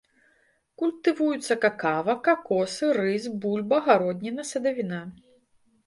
Культывуюцца какава, какосы, рыс, бульба, гародніна, садавіна.